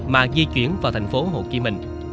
mà di chuyển vào thành phố hồ chí minh